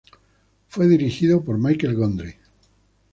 Fue dirigido por Michel Gondry.